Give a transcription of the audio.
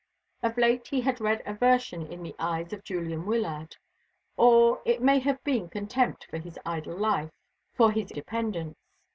Of late he had read aversion in the eyes of Julian Wyllard or it may have been contempt for his idle life, for his dependence.